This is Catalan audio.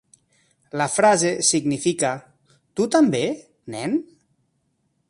La frase significa: "Tu també, nen?".